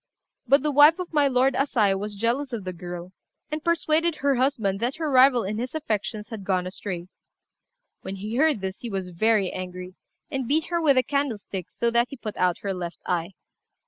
But the wife of my lord Asai was jealous of the girl, and persuaded her husband that her rival in his affections had gone astray; when he heard this he was very angry, and beat her with a candlestick so that he put out her left eye.